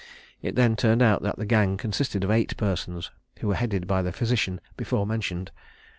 It then turned out that the gang consisted of eight persons, who were headed by the physician before mentioned.